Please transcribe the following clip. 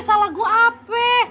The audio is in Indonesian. salah gue apa